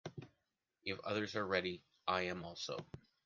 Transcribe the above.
If others are ready, I am also.